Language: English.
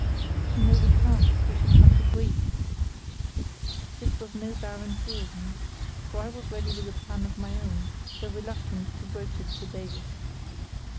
"No, we can't; we should come to grief." This was no barren truism, for I was ready with a plan of my own, though reluctant to broach it to Davies.